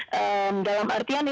dalam artian ini bisa jadi juga ketik